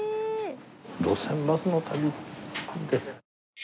『路線バスの旅』で。